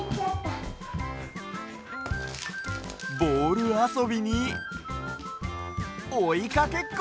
ボールあそびにおいかけっこ。